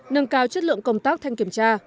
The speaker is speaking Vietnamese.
nâng cao chất lượng công tác thanh kiểm tra